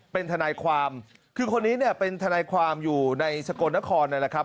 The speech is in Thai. เป็นทนายความคือคนนี้เนี่ยเป็นทนายความอยู่ในสกลนครนั่นแหละครับ